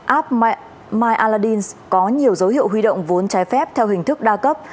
app myaladdin có nhiều dấu hiệu huy động vốn trái phép theo hình thức đa cấp